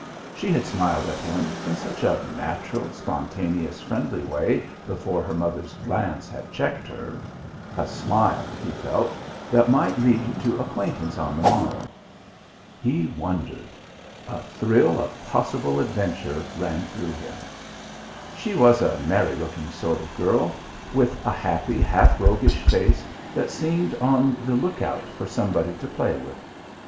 She had smiled at him in such a natural, spontaneous, friendly way before her mother's glance had checked her a smile, he felt, that might lead to acquaintance on the morrow. He wondered! A thrill of possible adventure ran through him. She was a merry looking sort of girl, with a happy, half roguish face that seemed on the lookout for somebody to play with.